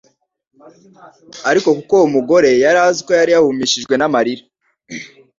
Ariko kuko uwo mugore yari yahumishijwe n'amarira,